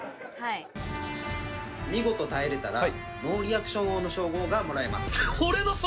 見事耐えれたら、ノーリアクション王の称号がもらえます。